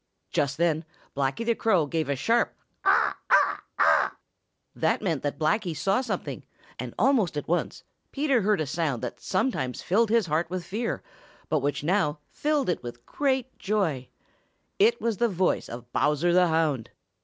Just then Blacky the Crow gave a sharp "Caw, caw, caw!" That meant that Blacky saw something, and almost at once Peter heard a sound that sometimes filled his heart with fear but which now filled it with great joy. It was the voice of Bowser the Hound.